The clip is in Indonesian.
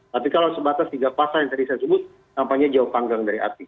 tapi kalau sebatas tiga pasal yang tadi saya sebut tampaknya jauh panggang dari arti